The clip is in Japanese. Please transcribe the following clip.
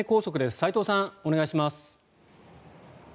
齋藤さん、お願いします。